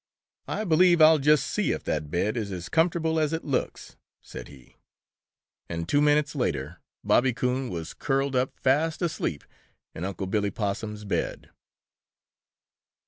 "I believe I'll just see if that bed is as comfortable as it looks," said he. And two minutes later Bobby Coon was curled up fast asleep in Unc' Billy Possum's bed.